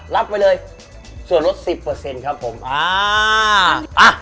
รับไว้เลยส่วนลดสิบเปอร์เซ็นต์ครับผมอ่า